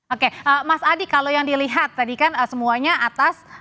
oke mas adi kalau yang dilihat tadi kan semuanya atas